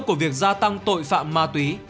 của việc gia tăng tội phạm ma túy